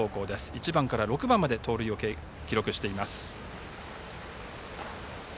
１番から６番まで盗塁を記録しています。